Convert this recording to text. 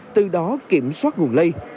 từ đó kiểm soát nguồn lây